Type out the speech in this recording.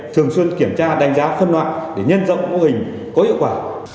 thường xuyên kiểm tra đánh giá phân loại để nhân rộng mô hình có hiệu quả